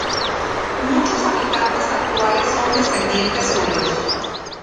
Muchos habitantes actuales son descendientes suyos.